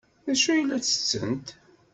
D acu ay la ttettent?